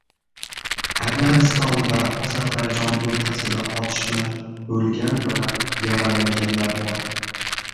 Armaniston va Ozarbayjon o‘rtasida otishma: o‘lgan va yaralanganlar bor